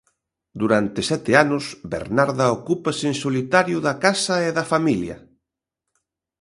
Durante sete anos Bernarda ocúpase en solitario da casa e da familia.